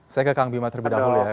saya ke kang bima terlebih dahulu ya